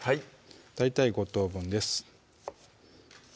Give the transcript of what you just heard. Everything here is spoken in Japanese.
大体５等分です